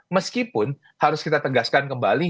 meskipun harus kita tegaskan kembali